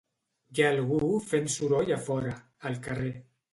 Hi ha algú fent soroll a fora, al carrer.